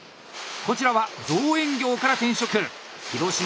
こちらは造園業から転職。